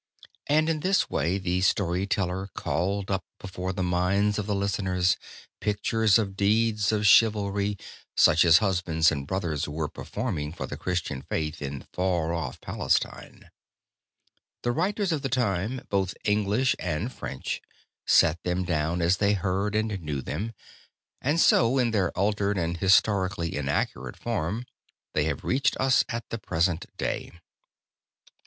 And in this way the story teller called up before the minds of the listeners pictures of deeds of chivalry, such as husbands and brothers were performing for the Christian faith in far off Palestine. The writers of the time, both English and French, set them down as they heard and knew them, and so in their altered and historically inaccurate form they have reached us at the present day.